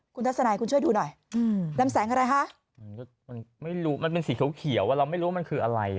คุณทัศนัยคุณช่วยดูหน่อยลำแสงอะไรคะมันก็มันไม่รู้มันเป็นสีเขียวเราไม่รู้มันคืออะไร